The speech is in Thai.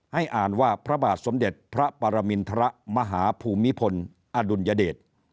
ให้อ่านว่าพระบาทสมเด็จพระปรมินทรมาหาภูมิพลอดุลยเดช